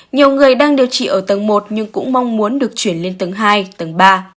nhiều người đang điều trị ở tầng một nhưng cũng mong muốn được chuyển lên tầng hai tầng ba